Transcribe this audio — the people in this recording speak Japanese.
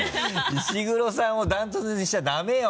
石黒さんをダントツにしちゃダメよ！